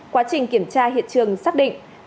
quá trình kiểm tra hiện trường xác định